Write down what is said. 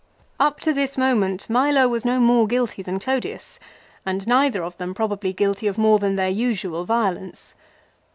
Up to this moment Milo was no more guilty than Clodius, and neither of them probably guilty of more than their usual violence.